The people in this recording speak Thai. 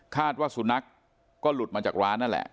ว่าสุนัขก็หลุดมาจากร้านนั่นแหละ